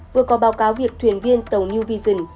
vừa có báo cáo việc thuyền viên tàu new vision